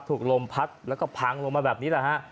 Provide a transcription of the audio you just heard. ถูกลมพัดแล้วก็พังลงมาแบบนี้แหละฮะ